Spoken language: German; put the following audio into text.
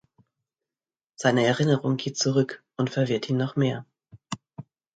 Seine Erinnerung geht zurück und verwirrt ihn noch mehr.